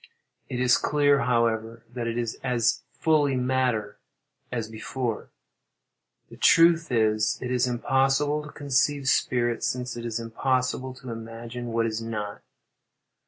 It is clear, however, that it is as fully matter as before. The truth is, it is impossible to conceive spirit, since it is impossible to imagine what is not.